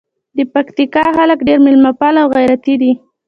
د پکتیکا خلګ ډېر میلمه پاله او غیرتي دي.